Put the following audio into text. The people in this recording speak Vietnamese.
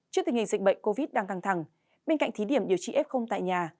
trước tình hình dịch bệnh covid đang căng thẳng bên cạnh thí điểm điều trị f tại nhà